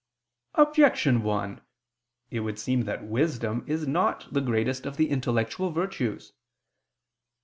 Objection 1: It would seem that wisdom is not the greatest of the intellectual virtues.